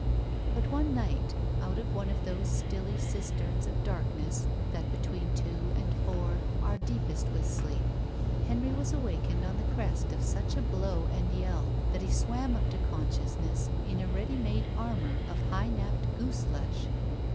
But one night, out of one of those stilly cisterns of 196 GUILTY darkness that between two and four are deepest with sleep, Henry was awakened on the crest of such a blow and yell that he swam up to a)nsciousness in a ready made armor of high napped gooseflesh.